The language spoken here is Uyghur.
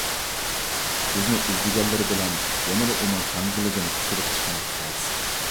بىزنى ئىزدىگەنلىرى بىلەن يەنىلا ئۇنىڭ چاڭگىلىدىن قۇتۇلۇپ چىقماق تەس.